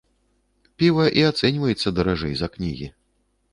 Піва і ацэньваецца даражэй за кнігі.